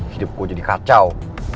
hidup gue jadi kacau